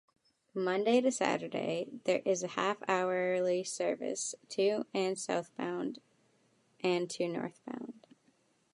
Monday-Saturday, there is a half-hourly service to and southbound and to northbound.